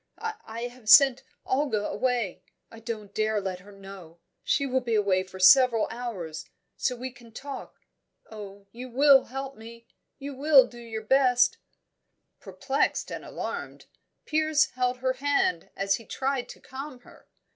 "I have sent Olga away I daren't let her know she will be away for several hours, so we can talk oh, you will help me you will do your best " Perplexed and alarmed, Piers held her hand as he tried to calm her.